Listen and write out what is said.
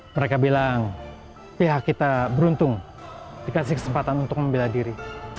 mereka bilang pihak kita beruntung dikasih kesempatan untuk membela diri